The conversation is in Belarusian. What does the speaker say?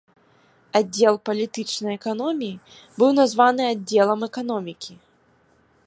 Аддзел палітычнай эканоміі быў названы аддзелам эканомікі.